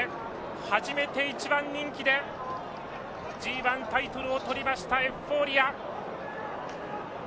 初めて１番人気でＧＩタイトルを取りましたエフフォーリア。